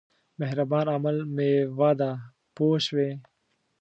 مهربان عمل مېوه ده پوه شوې!.